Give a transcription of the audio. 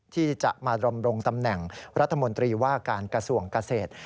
ที่จะมาดำรงตำแหน่งรัฐมนตรีว่าการกระทรวงเกษตร